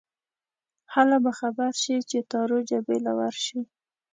هله به خبر شې چې تارو جبې له ورشې